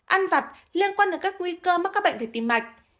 ăn vặt liên quan đến các nguy cơ mắc các bệnh về tim mạch